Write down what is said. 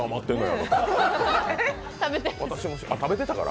あっ、食べてたから。